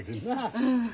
うん。